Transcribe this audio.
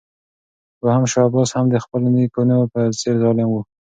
دوهم شاه عباس هم د خپلو نیکونو په څېر ظالم و.